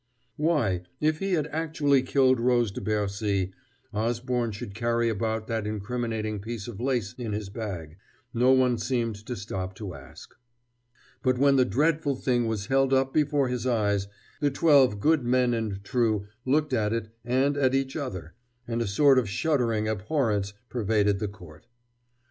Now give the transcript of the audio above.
Why, if he had actually killed Rose de Bercy, Osborne should carry about that incriminating bit of lace in his bag, no one seemed to stop to ask; but when the dreadful thing was held up before his eyes, the twelve good men and true looked at it and at each other, and a sort of shuddering abhorrence pervaded the court.